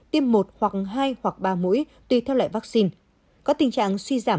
tiêm một hoặc hai hoặc ba mũi tùy theo loại vaccine